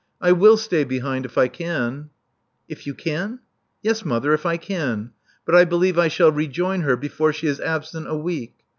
I will stay behind — if I can." If youcan?" Yes, mother, if I can. But I believe I shall rejoin her before she is absent a week.